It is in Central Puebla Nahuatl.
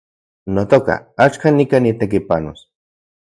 Notoka, axkan nikan nitekipanos